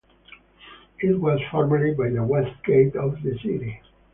It was formerly by the west gate of the city.